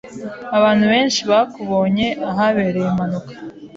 Abantu benshi bakubonye ahabereye impanuka.